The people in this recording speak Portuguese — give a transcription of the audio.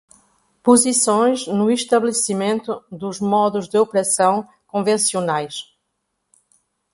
Posições no estabelecimento dos modos de operação convencionais.